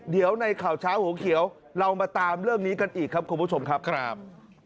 เดี๋ยวในข่าวเช้าหัวเขียวเรามาตามเรื่องนี้กันอีกครับคุณผู้ชมครับ